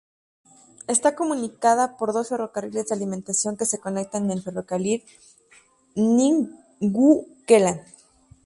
Está comunicada por dos ferrocarriles de alimentación que se conectan con el Ferrocarril Ningwu-Kelan.